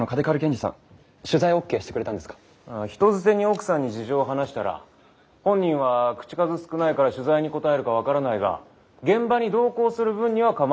人づてに奥さんに事情を話したら「本人は口数少ないから取材に応えるか分からないが現場に同行する分には構わない」と。